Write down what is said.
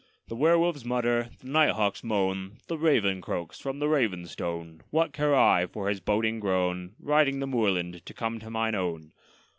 The were wolves mutter, the night hawks moan, The raven croaks from the Raven stone; What care I for his boding groan, Riding the moorland to come to mine own?